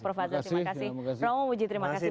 prof masyid terima kasih